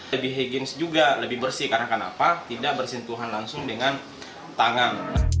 lebih higienis juga lebih bersih karena tidak bersintuhan langsung dengan tangan